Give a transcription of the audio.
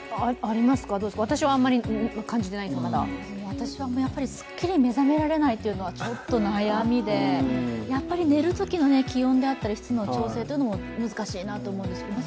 私はスッキリ目覚められないというのはちょっと悩みでやっぱり寝るときの気温であったり湿度の調整も難しいなと思います。